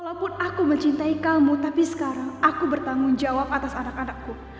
walaupun aku mencintai kamu tapi sekarang aku bertanggung jawab atas anak anakku